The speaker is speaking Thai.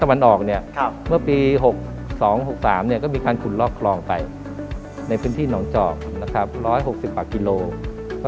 เพราะด้านตะวันออกเมื่อปี๖๒๖๓ก็มีการขุนลอกคลองไปในพื้นที่หนองจอก๑๖๐บาทกิโลกรัม